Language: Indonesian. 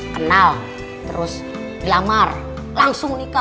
kenal terus dilamar langsung nikah